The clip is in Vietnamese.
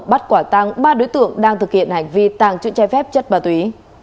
bắt quả tăng ba đối tượng đang thực hiện hành vi tàng trữ trái phép chất ma túy